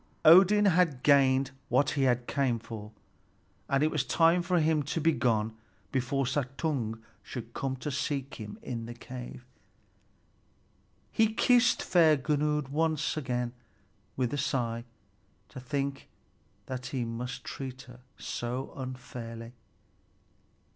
Odin had gained what he came for, and it was time for him to be gone before Suttung should come to seek him in the cave. He kissed fair Gunnlöd once again, with a sigh to think that he must treat her so unfairly.